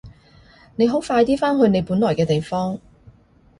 你好快啲返去你本來嘅地方！